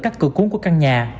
cắt cửa cuốn của căn nhà